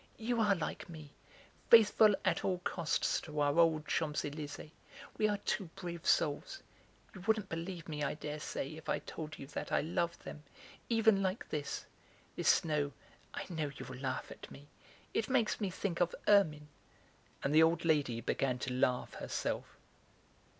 "You are like me, faithful at all costs to our old Champs Elysées; we are two brave souls! You wouldn't believe me, I dare say, if I told you that I love them, even like this. This snow (I know, you'll laugh at me), it makes me think of ermine!" And the old lady began to laugh herself.